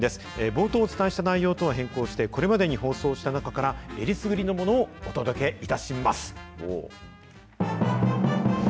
冒頭お伝えした内容とは変更して、これまでに放送した中から、えりすぐりのものをお届けいたします。